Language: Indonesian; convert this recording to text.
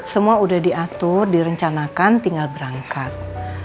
semua sudah diatur direncanakan tinggal berangkat